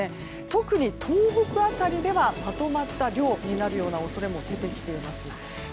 特に、東北辺りではまとまった量になるような恐れも出てきています。